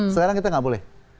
sekarang kita nggak boleh